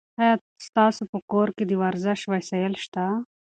ایا ستاسو په کور کې د ورزش وسایل شته؟